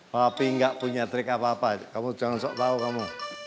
papi ga punya trik apa apa kamu jangan sok tau kamu